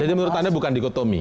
jadi menurut anda bukan dikotomi